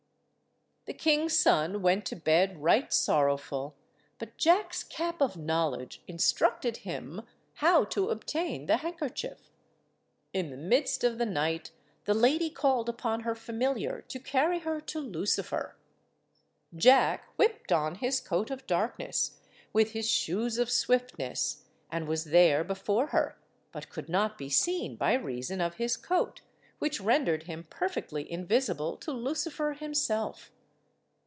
The king's son went to bed right sorrowful, but Jack's cap of knowledge instructed him how to obtain the handkerchief. In the midst of the night the lady called upon her familiar to carry her to Lucifer. Jack whipped on his coat of darkness, with his shoes of swiftness, and was there before her, but could not be seen by reason of his coat, which rendered him perfectly invisible to Lucifer himself.